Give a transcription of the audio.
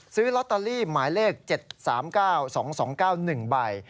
ซื้อลอตเตอรี่หมายเลข๗๓๙๒๒๙๑ใบ